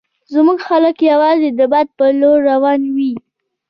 زموږ خلک یوازې د باد په لور روان وي.